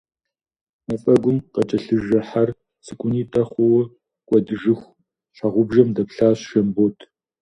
Мафӏэгум къыкӏэлъыжэ хьэр, цӏыкӏунитӏэ хъууэ кӏуэдыжыху, щхьэгъубжэм дэплъащ Жэмбот.